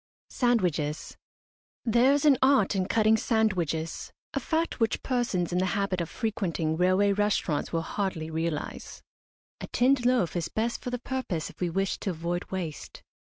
SANDWICHES. There is an art in cutting sandwiches a fact which persons in the habit of frequenting railway restaurants will hardly realise. A tinned loaf is best for the purpose if we wish to avoid waste.